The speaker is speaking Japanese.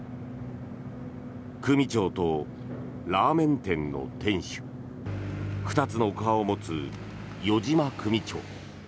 組長とラーメン店の店主２つの顔を持つ余嶋組長。